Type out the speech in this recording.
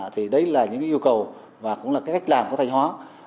thì đấy là những yêu cầu và cũng là cách làm có thành hóa